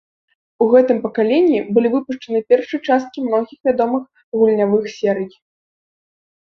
У гэтым пакаленні былі выпушчаны першыя часткі многіх вядомых гульнявых серый.